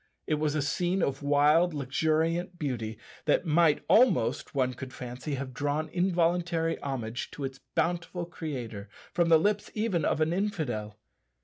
It was a scene of wild, luxuriant beauty, that might almost (one could fancy) have drawn involuntary homage to its bountiful Creator from the lips even of an infidel.